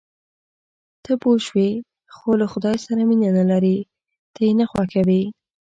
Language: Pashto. ته پوه شوې، خو له خدای سره مینه نه لرې، ته یې نه خوښوې.